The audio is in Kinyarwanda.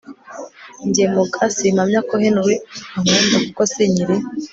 Njye muga simpamya ko Henry ankunda kuko sinkiri